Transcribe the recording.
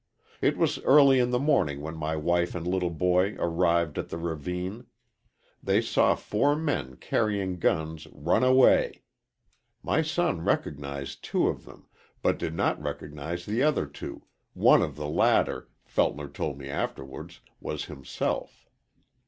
It was early in the morning when my wife and little boy arrived at the ravine. They saw four men carrying guns run away. My son recognized two of them, but did not recognize the other two, one of the latter, Feltner told me afterwards was himself.